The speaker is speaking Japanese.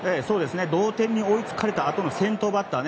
同点に追いつかれたあとの先頭バッター。